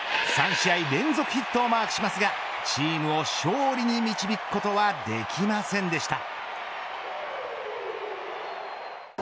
３試合連続ヒットをマークしますがチームを勝利に導くことはできませんでした。